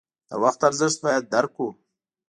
د وخت ارزښت باید درک کړو.